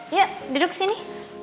yuk duduk sini